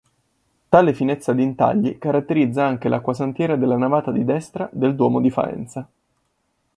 Tale finezza d’intagli caratterizza anche l’acquasantiera nella navata di destra del duomo di Faenza.